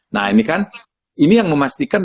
nah ini kan ini yang memastikan